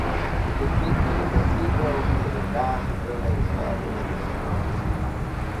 The cathedral is a vast building, standing in the center of the city.